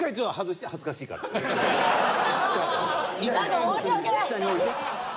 １回下に置いて。